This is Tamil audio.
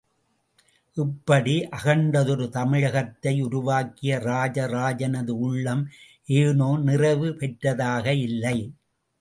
இப்படி அகண்டதொரு தமிழகத்தை உருவாக்கிய ராஜ ராஜனது உள்ளம் ஏனோ நிறைவு பெற்றதாக இல்லை.